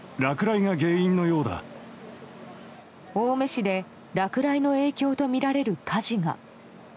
青梅市で落雷の影響とみられる火事が。